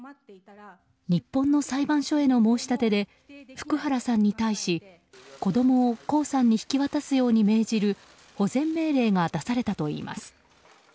日本の裁判所への申し立てで福原さんに対し子供を江さんに引き渡すように命じる保全命令が出されたといいます。